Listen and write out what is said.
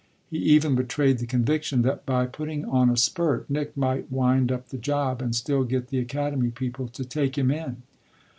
He even betrayed the conviction that by putting on a spurt Nick might wind up the job and still get the Academy people to take him in.